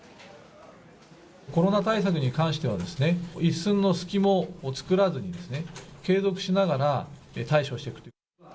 コロナ対策に関してはですね、一寸の隙も作らずにですね、継続しながら対処していく。